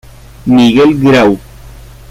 Miguel Grau.